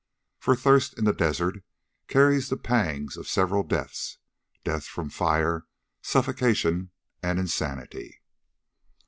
For thirst in the desert carries the pangs of several deaths death from fire, suffocation, and insanity.